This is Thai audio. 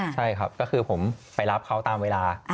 ใช่ครับก็คือผมไปรับเขาตามเวลา